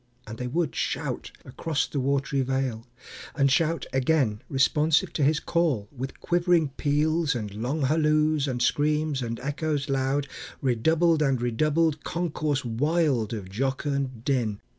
And they would shout Across the watery vale, and shout again, Responsive to his call, with quivering peals, And long halloos, and screams, and echoes loud Redoubled and redoubled; concourse wild Of jocund din!